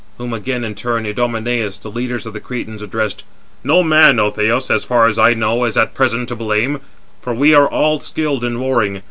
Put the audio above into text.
Whom again in return, Idomeneus, the leader of the Cretans, addressed: "No man, O Thoas, as far as I know, is at present to blame; for we are all skilled in warring.